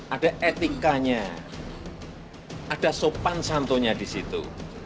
ada etikanya ada sopan santonya di situ